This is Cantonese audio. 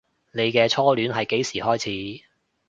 你嘅初戀係幾時開始